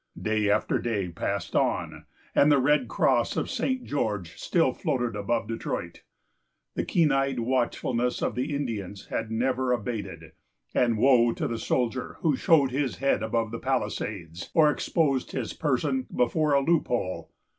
Day after day passed on, and the red cross of St. George still floated above Detroit. The keen eyed watchfulness of the Indians had never abated; and woe to the soldier who showed his head above the palisades, or exposed his person before a loophole.